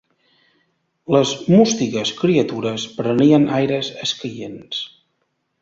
Les mústigues criatures prenien aires escaients